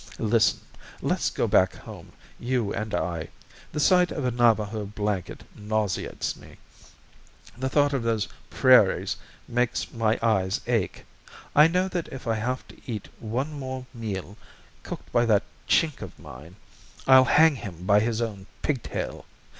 Listen. Let's go back home, you and I. The sight of a Navajo blanket nauseates me. The thought of those prairies makes my eyes ache. I know that if I have to eat one more meal cooked by that Chink of mine I'll hang him by his own pigtail.